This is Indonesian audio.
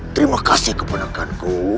terima kasih keponakanku